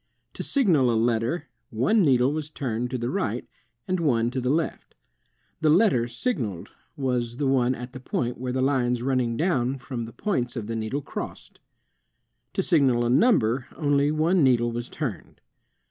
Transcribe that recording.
To signal a letter, one needle was turned to the right, and one to the left. The letter signaled was the one at the point where lines running down from the points of the needle crossed. To signal a number only one needle was turned.